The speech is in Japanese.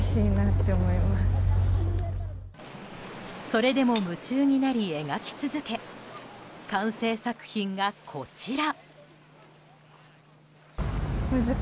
それでも、夢中になり描き続け完成作品が、こちら！